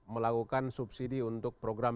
melakukan subsidi untuk program